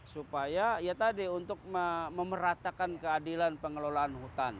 supaya ya tadi untuk memeratakan keadilan pengelolaan hutan